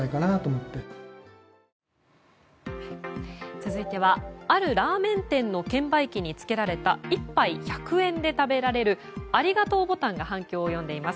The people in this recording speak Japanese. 続いては、あるラーメン店の券売機につけられた１杯１００円で食べられるありがとうボタンが反響を呼んでいます。